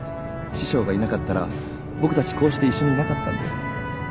師匠がいなかったら僕たちこうして一緒にいなかったんだよ？